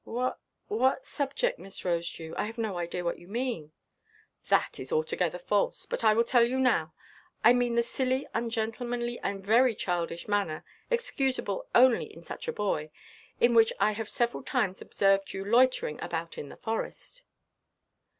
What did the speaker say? "What—what subject, Miss Rosedew? I have no idea what you mean." "That is altogether false. But I will tell you now. I mean the silly, ungentlemanly, and very childish manner, excusable only in such a boy, in which I have several times observed you loitering about in the forest."